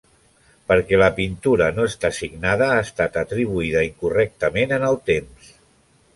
Perquè la pintura no està signada, ha estat atribuïda incorrectament en el temps.